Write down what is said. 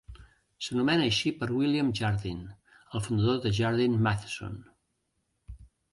S'anomena així per William Jardine, el fundador de Jardine Matheson.